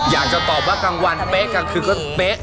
อยากจะตอบว่ากลางวันเป๊ะกลางคืนก็เป๊ะ